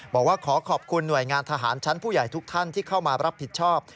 บอกว่าขอขอบคุณหน่วยงานทหารชั้นผู้ใหญ่ทุกท่านที่เข้ามารับผิดชอบ